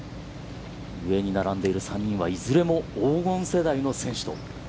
上に並んでいる３人は、黄金世代の選手と。